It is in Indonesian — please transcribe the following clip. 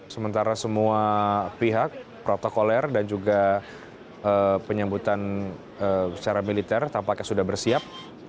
sementara semua pihak protokoler dan juga penyambutan secara militer tampaknya sudah bersiap